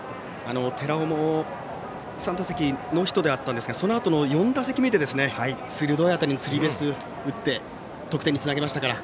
寺尾も３打席ノーヒットでしたがそのあとの４打席目で鋭い当たりのスリーベースを打って得点につなげましたから。